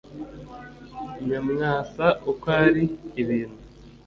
nyamwasa uko ari, ibintu